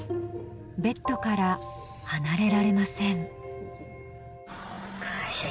ベッドから離れられません。